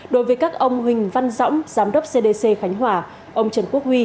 đối với các ông huỳnh văn dõng giám đốc cdc khánh hòa ông trần quốc huy